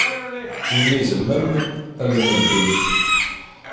Imi izemmem, allen ldint.